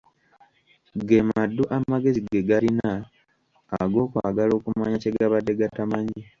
Ge maddu amagezi ge galina ag'okwagala okumanya kye gabadde gatamanyi.